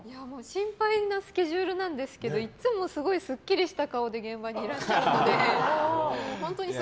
心配なスケジュールですがいつもすごいスッキリした顔で現場にいらっしゃるので。